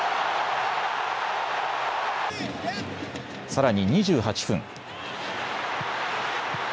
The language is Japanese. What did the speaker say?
さらに２８分。